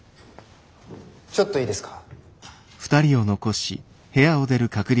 ちょっといいですか。